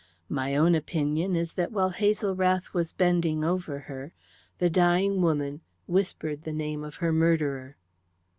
My own opinion is that, while Hazel was bending over her, the dying woman whispered the name of her murderer."